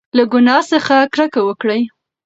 له ګناه څخه کرکه وکړئ.